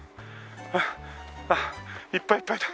ハアハアいっぱいいっぱいだ。